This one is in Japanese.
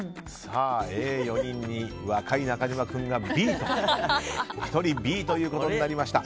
Ａ４人に若い中島君が１人、Ｂということになりました。